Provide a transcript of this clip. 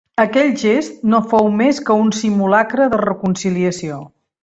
Aquell gest no fou més que un simulacre de reconciliació.